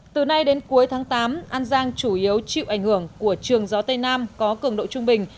từ nay đến cuối tháng tám an giang chủ yếu chịu ảnh hưởng của trường gió tây nam có cường độ trung bình